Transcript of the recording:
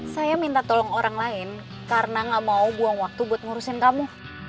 saya minta tolong orang lain karena gak mau buang waktu buat ngurusin kamu